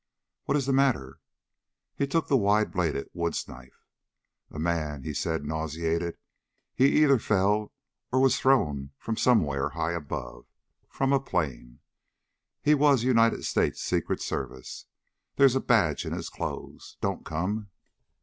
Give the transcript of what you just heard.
"What is the matter?" He took the wide bladed woods knife. "A man," he said, nauseated. "He either fell or was thrown from somewhere high above. From a plane. He was United States Secret Service. There's a badge in his clothes. Don't come."